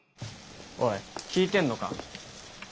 おい聞いてんのか？